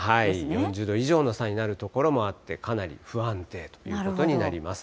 ４０度以上の差になる所もあって、かなり不安定ということになります。